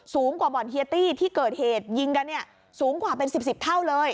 สูงกว่าบ่อนเฮียตี้ที่เกิดเหตุยิงกันเนี่ยสูงกว่าเป็น๑๐เท่าเลย